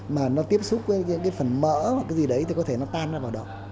mà nó tiếp xúc với những cái phần mỡ và cái gì đấy thì có thể nó tan ra vào đó